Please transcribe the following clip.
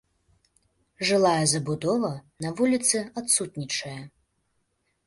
Жылая забудова на вуліцы адсутнічае.